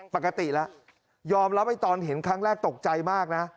ปกติแล้วยอมรับไอ้ตอนเห็นครั้งแรกตกใจมากนะ